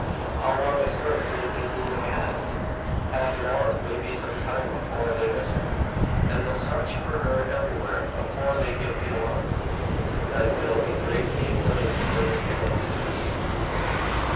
"How long a start do you think we may have?" "Half an hour, maybe. The women may be some time afore they miss her, and they'll sarch for her everywhere afore they give the alarm, as they'll be greatly blamed for their carelessness."